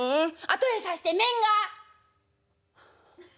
「後へ指して雌が」。